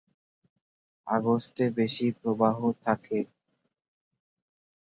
আগস্টে বেশি প্রবাহ থাকে।